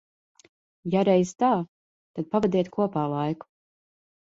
Ja reiz tā, tad pavadiet kopā laiku.